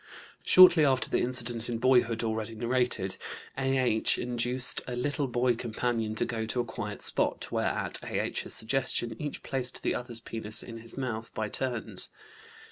Shortly after the incident in boyhood, already narrated, A.H. induced a little boy companion to go to a quiet spot, where, at A.H.'s suggestion, each placed the other's penis in his mouth by turns.